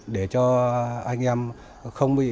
để cho anh em không bị bỏ lỡ